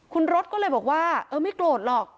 คุณรถก็เลยบอกว่าเออไม่โกรธหรอก